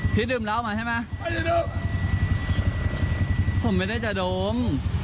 ผมไม่ได้จะโดม